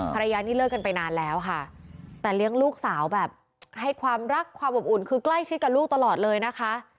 ภรรยานี่เลิกกันไปนานแล้วค่ะแต่เลี้ยงลูกสาวแบบให้ความรักความอบอุ่นคือใกล้ชิดกับลูกตลอดเลยนะคะ